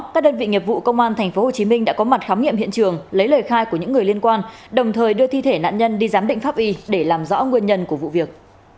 công an tp hcm đã có mặt khám nghiệm hiện trường lấy lời khai của những người liên quan đồng thời đưa thi thể nạn nhân đi giám định pháp y để làm rõ nguyên nhân của vụ việc